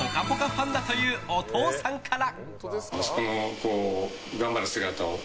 ファンだというお父さんから。